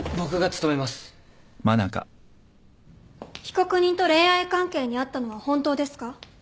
被告人と恋愛関係にあったのは本当ですか？